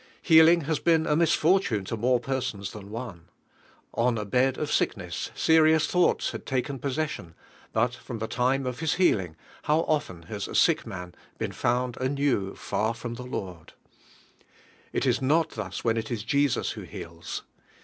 Healing has been a misfortune to more persons than one. On a bod of sickness serious thoughts laid taken possession but from the time of his healing how of ten has a sick man been found anew far HIVIHE HEALING. from the Lorf! It is not tins when tt ie Jesus who heals.